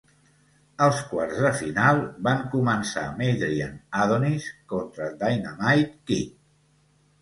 Els quarts de final van començar amb Adrian Adonis contra Dynamite Kid.